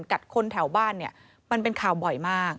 กัดคนแถวบ้านเป็นข่าวบ่อยมาก